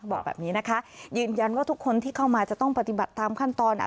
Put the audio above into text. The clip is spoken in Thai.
บอกแบบนี้นะคะยืนยันว่าทุกคนที่เข้ามาจะต้องปฏิบัติตามขั้นตอน